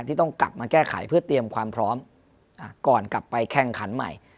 ที่ต้องกลับมาแก้ไขเพื่อเตรียมความพร้อมก่อนกลับไปแข่งขันใหม่